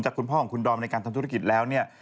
คุณพ่อของคุณดอมในการทำธุรกิจแล้วเนี่ย